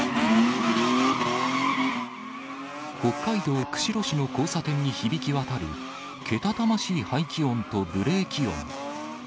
北海道釧路市の交差点に響き渡るけたたましい排気音とブレーキ音。